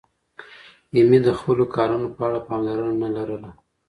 ایمي د خپلو کارونو په اړه پاملرنه نه لرله.